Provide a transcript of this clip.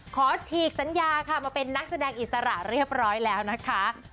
ขอฉีกสัญญาความเอาเป็นนักแสดงอินสรรค์เรียบร้อยแล้วนะค่ะ